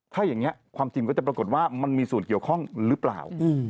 ถ้าอย่างนี้ความจริงก็จะปรากฏว่ามันมีส่วนเกี่ยวข้องหรือเปล่า